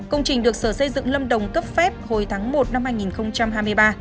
công trình được sở xây dựng lâm đồng cấp phép hồi tháng một năm hai nghìn hai mươi ba